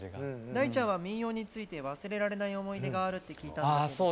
大ちゃんは民謡について忘れられない思い出があるって聞いたんだけど。